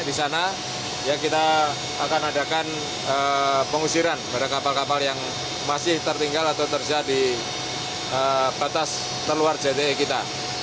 di sana ya kita akan adakan pengusiran kepada kapal kapal yang masih tertinggal atau terjadi batas terluar cte kita